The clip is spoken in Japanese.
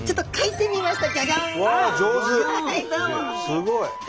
すごい！